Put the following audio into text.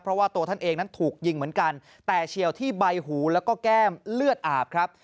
เพราะว่าตัวท่านเองนั้นถูกยิงเหมือนกันแต่เฉียวที่ใบหูแล้วก็แก้มเลือดอาบครับ